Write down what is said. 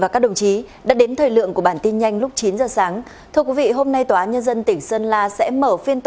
cảm ơn các bạn đã xem